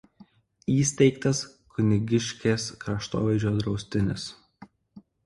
Įsteigtas Kunigiškės kraštovaizdžio draustinis.